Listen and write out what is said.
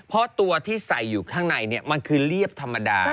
เพราะตัวที่ใส่อยู่ข้างในมันคือเรียบธรรมดา